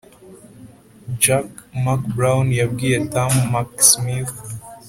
jock mcbrown yabwiye tam mcsmith,